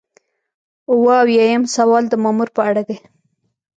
اووه اویایم سوال د مامور په اړه دی.